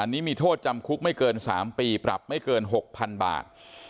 อันนี้มีโทษจำคุกไม่เกิน๓ปีปรับไม่เกิน๖๐๐๐บาท